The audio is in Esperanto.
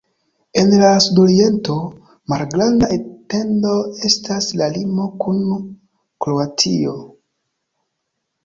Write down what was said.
En la sudoriento, malgranda etendo estas la limo kun Kroatio.